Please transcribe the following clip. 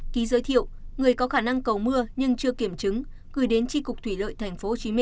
ký giới thiệu người có khả năng cầu mưa nhưng chưa kiểm chứng gửi đến tri cục thủy lợi tp hcm